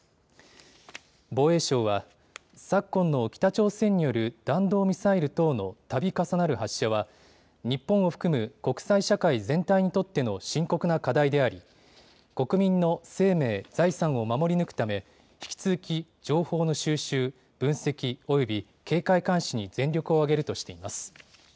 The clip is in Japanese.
防衛省は昨今の北朝鮮による弾道ミサイル等のたび重なる発射は日本を含む国際社会全体にとっての深刻な課題であり国民の生命・財産を守り抜くため引き続き情報の収集・分析および警戒監視に全力を挙げるとしています。